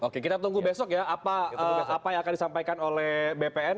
oke kita tunggu besok ya apa yang akan disampaikan oleh bpn